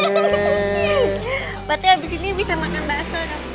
berarti abis ini bisa makan basa dong